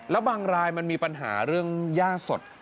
แล้วบางรายมันมีปัญหาเรื่องย่าสด